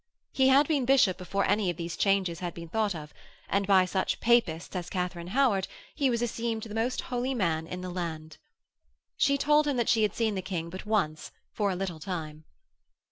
He had been bishop before any of these changes had been thought of, and by such Papists as Katharine Howard he was esteemed the most holy man in the land. She told him that she had seen the King but once for a little time.